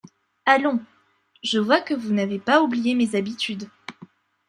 Allons, je vois que vous n'avez pas oublié mes habitudes !